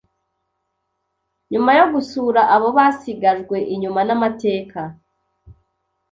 Nyuma yo gusura abo basigajwe inyuma n’amateka